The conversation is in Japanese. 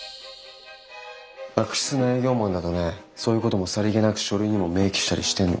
悪質な営業マンだとねそういうこともさりげなく書類にも明記したりしてんの。